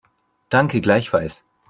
Danke, gleichfalls.